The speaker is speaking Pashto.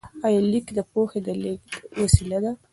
آیا لیک د پوهې د لیږد وسیله ده؟